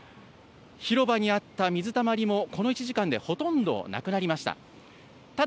広場にあった水たまりもこの１時間でほとんどなくなりました。